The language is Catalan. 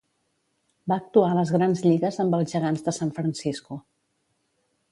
Va actuar a les Grans Lligues amb els Gegants de San Francisco.